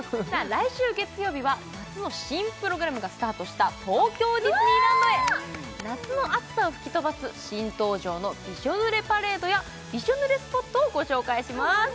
来週月曜日は夏の新プログラムがスタートした東京ディズニーランドへ夏の暑さを吹き飛ばす新登場のびしょ濡れパレードやびしょ濡れスポットをご紹介します